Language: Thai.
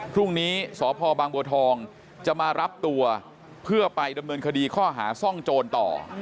พรุ่งนี้สพบางบัวทองจะมารับตัวเพื่อไปดำเนินคดีข้อหาซ่องโจรต่อ